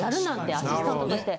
アシスタントとして。